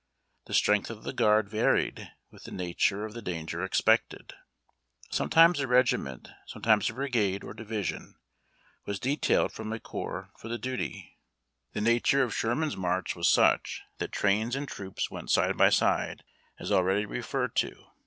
The strength of the guard varied with tlie nature of the danger expected. Sometimes a regiment, sometimes a brigade or division, was detailed from a corps for the duty. The natui e of Sherman's march was such that trains and troops went side by side, as already referred to.